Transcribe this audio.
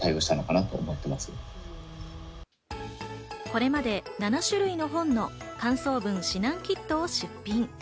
これまで７種類の本の感想文指南キットを出品。